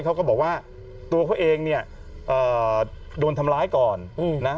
เขาก็บอกว่าตัวเขาเองเนี่ยโดนทำร้ายก่อนนะ